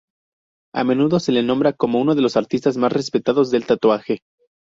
A menudo se le nombra como uno de los artistas más respetados del tatuaje.